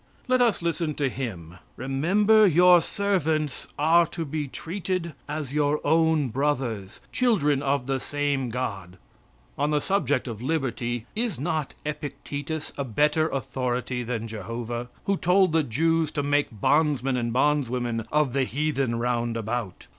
Let us listen to him: "Remember your servants are to be treated as your own brothers children of the same God." On the subject of liberty is not Epictetus a better authority than Jehovah, who told the Jews to make bondsmen and bondswomen of the heathen round about?